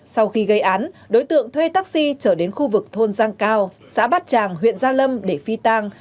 sau khi gây án đối tượng thuê taxi trở đến khu vực thôn giang cao xã bát tràng huyện gia lâm để phi tang